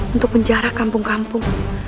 untuk menjara kampung kampung